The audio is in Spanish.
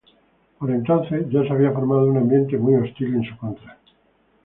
Por entonces ya se había formado un ambiente muy hostil en su contra.